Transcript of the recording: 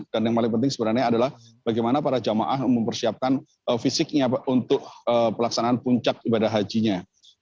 dan yang paling penting sebenarnya adalah bagaimana para jamaah mempersiapkan fisik untuk pelaksanaan puncak ibadah hajinya